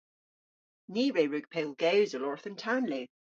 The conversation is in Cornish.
Ni re wrug pellgewsel orth an tanlu.